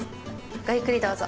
ごゆっくりどうぞ。